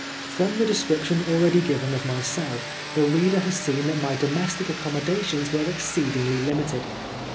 From the description already given of my cell, the reader has seen that my domestic accommodations were exceedingly limited.